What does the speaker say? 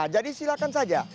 jadi silakan saja